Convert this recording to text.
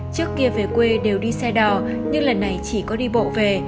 trước kia về quê đều đi xe đò nhưng lần này chỉ có đi bộ về